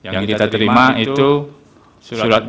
yang kita terima adalah